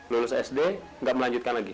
lulus sd gak melahirkan